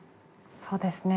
そうですね